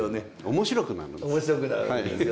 面白くなるんですよね。